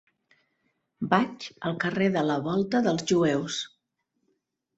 Vaig al carrer de la Volta dels Jueus.